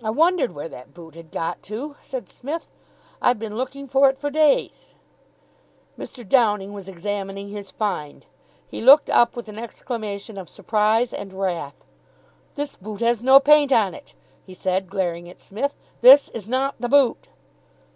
"I wondered where that boot had got to," said Psmith. "I've been looking for it for days." Mr. Downing was examining his find. He looked up with an exclamation of surprise and wrath. "This boot has no paint on it," he said, glaring at Psmith. "This is not the boot."